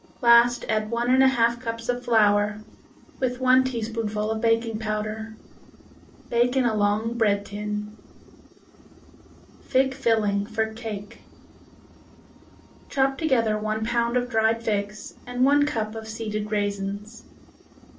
Last add one and a half cups of flour with one teaspoonful of baking powder. Bake in a long bread tin. Fig Filling for Cake Chop together one pound of dried figs and one cup of seeded raisins.